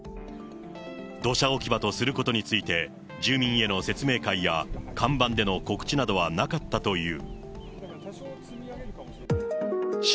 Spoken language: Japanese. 土砂置き場とすることについて、住民への説明会や看板での告知などはなかったという。